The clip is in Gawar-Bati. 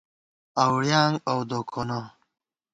اؤڑِیانگ اؤ دوکونہ